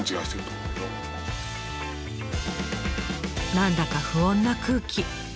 何だか不穏な空気。